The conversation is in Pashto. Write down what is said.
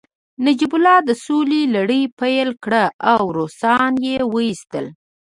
نجیب الله د سولې لړۍ پیل کړه او روسان يې وويستل